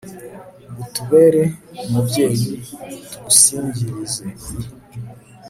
utubere umubyeyi, tugusingirize i